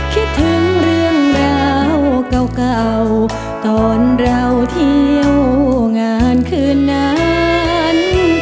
คิดถึงเรื่องราวเก่าตอนเราเที่ยวงานคืนนั้น